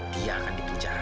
dia akan dipunjara